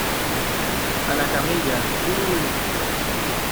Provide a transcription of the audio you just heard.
a la camilla. ¡ uh!